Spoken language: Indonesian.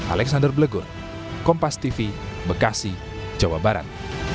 alexander blegur kompas tv bekasi jawa barat